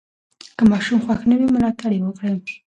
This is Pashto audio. که ماشوم خوښ نه وي، ملاتړ یې وکړئ.